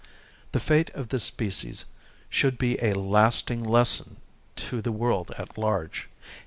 The fate of this species should be a lasting lesson to the world at large.